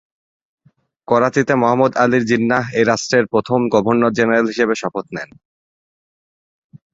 করাচিতে মহম্মদ আলি জিন্নাহ এই রাষ্ট্রের প্রথম গভর্নর-জেনারেল হিসেবে শপথ নেন।